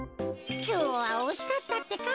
きょうはおしかったってか。